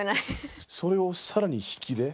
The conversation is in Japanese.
それを更に引きで。